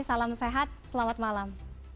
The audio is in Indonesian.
salam sehat selamat malam